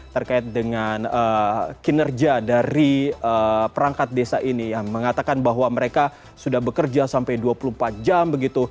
terkait dengan kinerja dari perangkat desa ini yang mengatakan bahwa mereka sudah bekerja sampai dua puluh empat jam begitu